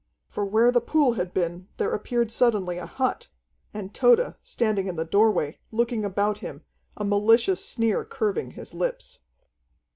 For where the pool had been there appeared suddenly a hut and Tode, standing in the doorway, looking about him, a malicious sneer curving his lips.